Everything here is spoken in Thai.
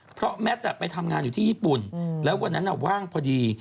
เพราะแมทไปทำงานอยู่ที่ญี่ปุ่นแล้ววันนั้นว่างพอดี